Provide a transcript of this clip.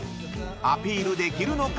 ［アピールできるのか？］